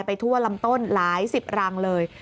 ทั่วลำต้นหลายสิบรังเลย